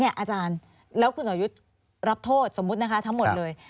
อาจารย์แล้วคุณสอยุทธ์รับโทษสมมุตินะคะทั้งหมดเลย